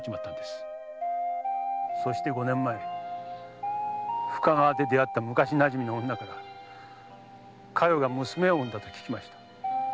そして五年前深川で出会った昔馴染みの女から加代が娘を生んだと聞きました。